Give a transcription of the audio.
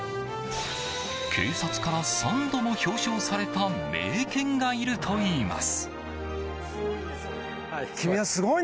警察から３度も表彰された名犬がいるといいます。